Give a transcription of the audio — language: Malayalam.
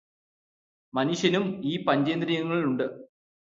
മനുഷ്യനും ഈ പഞ്ചേന്ദ്രിയങ്ങൾ ഉണ്ട്.